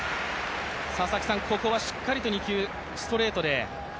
ここはしっかりと２球、ストレートで。